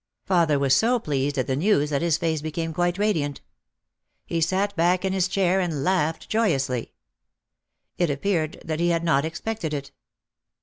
Father was so pleased at the news that his face became quite radiant. He sat back in his chair and laughed joyously. It appeared that he had not expected it.